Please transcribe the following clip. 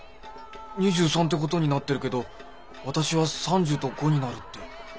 ２３って事になってるけど私は３０と５になるって。